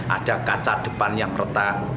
ada kaca depan yang retak